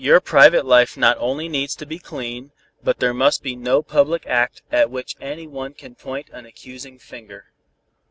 Your private life not only needs to be clean, but there must be no public act at which any one can point an accusing finger."